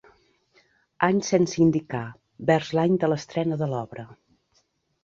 Any sense indicar, vers l'any de l'estrena de l'obra.